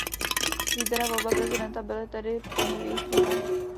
Výběr a volba prezidenta byly tedy plně v jejích rukách.